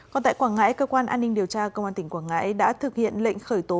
còn tại quảng ngãi cơ quan an ninh điều tra công an tỉnh quảng ngãi đã thực hiện lệnh khởi tố